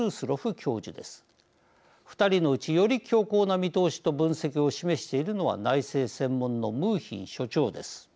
２人のうちより強硬な見通しと分析を示しているのは内政専門のムーヒン所長です。